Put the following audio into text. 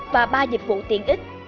và ba dịch vụ tiện ích